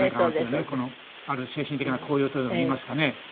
ねこのある精神的な高揚とでもいいますかね。